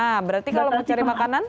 nah berarti kalau mau cari makanan